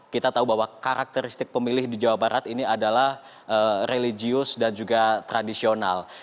kita tahu bahwa karakteristik pemilih di jawa barat ini adalah religius dan juga tradisional